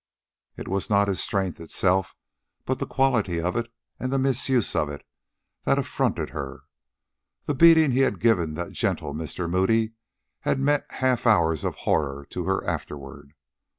It was not his strength itself, but the quality of it and the misuse of it, that affronted her. The beating he had given the gentle Mr. Moody had meant half hours of horror to her afterward.